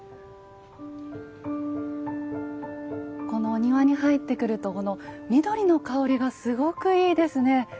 このお庭に入ってくるとこの緑の香りがすごくいいですね。